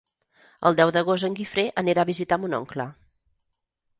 El deu d'agost en Guifré anirà a visitar mon oncle.